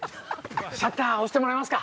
シャッター押してもらえますか。